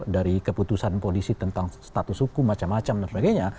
dari keputusan polisi tentang status hukum macam macam dan sebagainya